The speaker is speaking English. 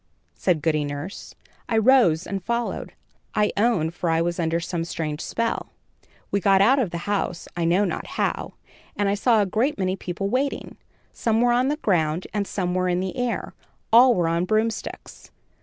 said Goody Nurse. I rose and followed, I own, for I was under some strange spell. "We got out of the house, I know not how, and I saw a great many people waiting. Some were on the ground, and some were in the air. All were on broomsticks.